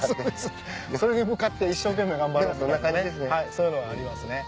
そういうのはありますね。